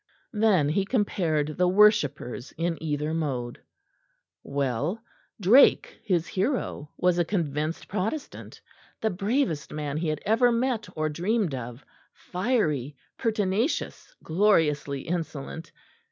Then he compared the worshippers in either mode. Well, Drake, his hero, was a convinced Protestant; the bravest man he had ever met or dreamed of fiery, pertinacious, gloriously insolent.